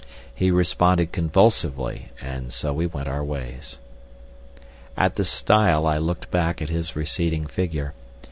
He responded convulsively, and so we went our ways. At the stile I looked back at his receding figure.